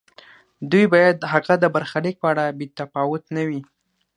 دوی باید د هغه د برخلیک په اړه بې تفاوت نه وي.